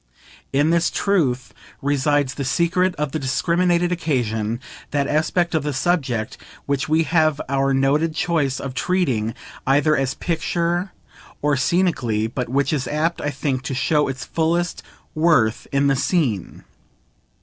In this truth resides the secret of the discriminated occasion that aspect of the subject which we have our noted choice of treating either as picture or scenically, but which is apt, I think, to show its fullest worth in the Scene.